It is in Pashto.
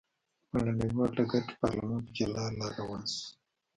په نړیوال ډګر کې پارلمان په جلا لار روان شو.